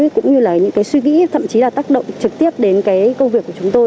cũng như là những suy nghĩ thậm chí là tác động trực tiếp đến công việc của chúng tôi